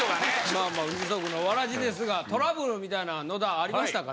まあまあ二足のわらじですがトラブルみたいなん野田ありましたか？